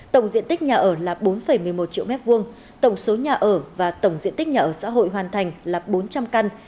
tổng diện tích nhà ở là bốn một mươi một triệu m hai tổng số nhà ở và tổng diện tích nhà ở xã hội hoàn thành là bốn trăm linh căn